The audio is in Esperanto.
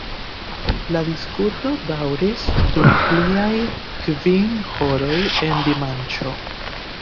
La diskuto daŭris dum pliaj kvin horoj en dimanĉo.